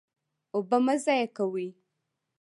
اوبه مه ضایع کوئ